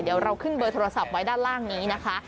เดี๋ยวเราขึ้นเบอร์โทรศัพท์ไว้ด้านล่างนี้นะคะ